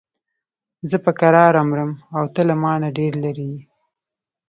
زه په کراره مرم او ته له مانه ډېر لرې یې.